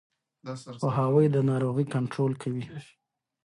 پوهاوی د ناروغۍ کنټرول کوي.